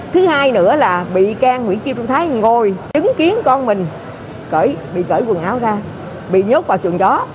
thứ hai nữa là bị can nguyễn kim trung thái ngồi chứng kiến con mình bị cởi quần áo ra bị nhốt vào chuồng chó